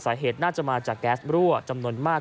สาเหตุน่าจะมาจากแก๊สรั่วจำนวนมาก